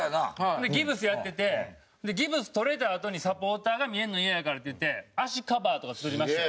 でギプスやっててギプス取れたあとにサポーターが見えるのイヤやからって言って足カバーとか作りましたよ。